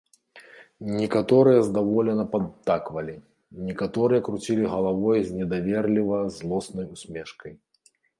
Некаторыя здаволена падтаквалі, некаторыя круцілі галавой з недаверліва злоснай усмешкай.